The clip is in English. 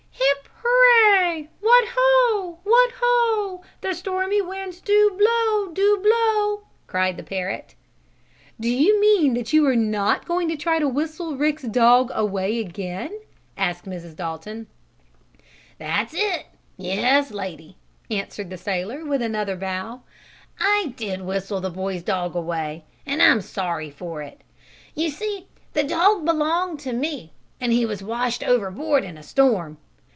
"Hip hurray! What ho! What ho! The stormy winds do blow! Do blow!" cried the parrot. "You mean that you are not going to try to whistle Rick's dog away again?" asked Mrs. Dalton. "That's it, yes, lady," answered the sailor, with another bow. "I did whistle the boy's dog away, and I'm sorry for it. You see the dog belonged to me, and he was washed overboard in a storm.